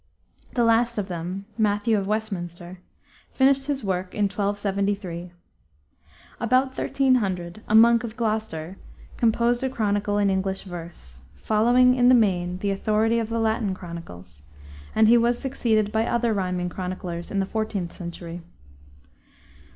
The last of them, Matthew of Westminster, finished his work in 1273. About 1300 Robert, a monk of Gloucester, composed a chronicle in English verse, following in the main the authority of the Latin chronicles, and he was succeeded by other rhyming chroniclers in the 14th century.